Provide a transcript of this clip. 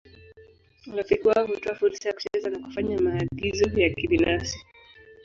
Urafiki wao hutoa fursa ya kucheza na kufanya maagizo ya kibinafsi.